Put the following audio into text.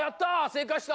正解した！